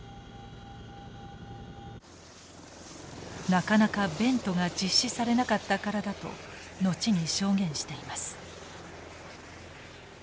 なかなかベントが実施されなかったからだと後に証言しています。